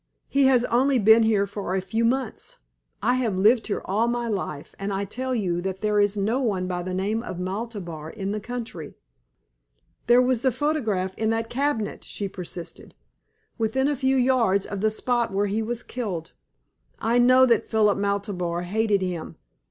He has only been here for a few months. I have lived here all my life, and I tell you that there is no one by the name of Maltabar in the county." "There was the photograph in that cabinet," she persisted "within a few yards of the spot where he was killed. I know that Philip Maltabar hated him.